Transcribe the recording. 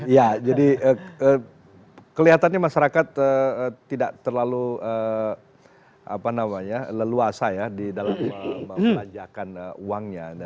ya jadi kelihatannya masyarakat tidak terlalu leluasa ya di dalam membelanjakan uangnya